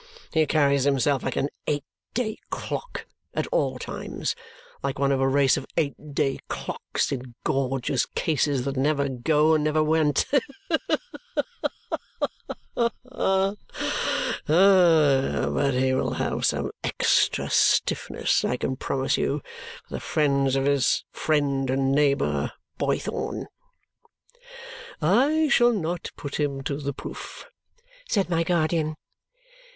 He carries himself like an eight day clock at all times, like one of a race of eight day clocks in gorgeous cases that never go and never went Ha ha ha! but he will have some extra stiffness, I can promise you, for the friends of his friend and neighbour Boythorn!" "I shall not put him to the proof," said my guardian.